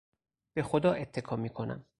به خدا اتکا میکنم.